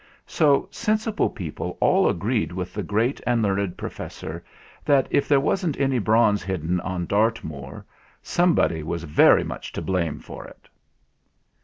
So sensible people all agreed with the great and learned professor that if there wasn't any bronze hidden on Dartmoor, some body was very much to blame for it.